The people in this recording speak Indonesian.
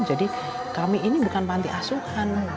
jadi kami ini bukan panti asuhan